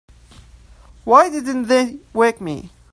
Why didn't they wake me?